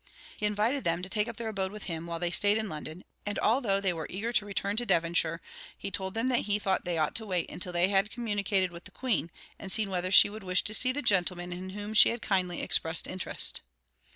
He invited them to take up their abode with him, while they stayed in London; and although they were eager to return to Devonshire, he told them that he thought they ought to wait until he had communicated with the Queen, and had seen whether she would wish to see the gentlemen in whom she had kindly expressed interest.